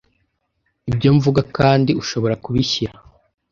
ibyo mvuga, kandi ushobora kubishyira. ”